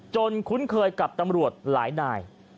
คุ้นเคยกับตำรวจหลายนาย